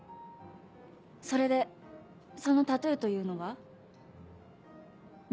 それでそのタトゥーというのは？